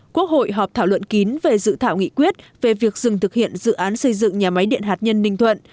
quốc hội họp thảo luận kín về dự thảo nghị quyết về việc dừng thực hiện dự án xây dựng nhà máy điện hạt nhân ninh thuận